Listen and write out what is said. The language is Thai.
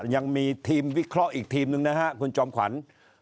ยังมีทีมวิเคราะห์อีกทีมหนึ่งนะครับคุณจอมขวัญ